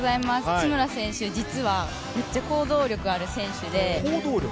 津村選手、実はめっちゃ行動力がある選手で。